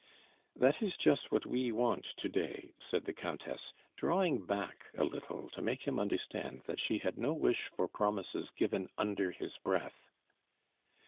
"That is just what we want to day," said the Countess, drawing back a little to make him understand that she had no wish for promises given under his breath.